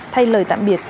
thay lời tạm biệt